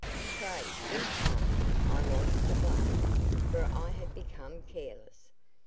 "Pray be calm! I was to blame, for I had become careless.